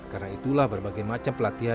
karena itulah berbagai macam pelatihan